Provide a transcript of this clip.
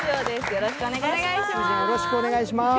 よろしくお願いします。